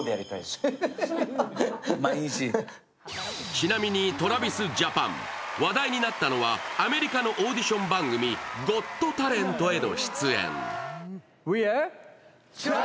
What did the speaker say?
ちなみにＴｒａｖｉｓＪａｐａｎ、話題になったのはアメリカのオーディション番組「ゴット・タレント」への出演。